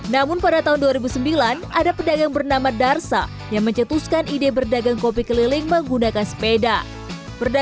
namun pada tahun dua ribu sembilan ada pedagang bernama darsa yang mencetuskan ide berdagang kopi keliling menggunakan sepeda